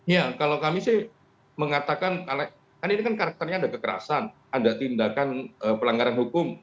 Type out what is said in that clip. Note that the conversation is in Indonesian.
ya kalau kami sih mengatakan kan ini kan karakternya ada kekerasan ada tindakan pelanggaran hukum